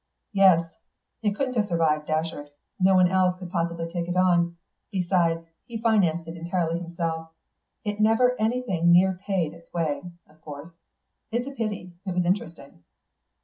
"Yes. It couldn't have survived Datcherd; no one else could possibly take it on. Besides, he financed it entirely himself; it never anything near paid its way, of course. It's a pity; it was interesting."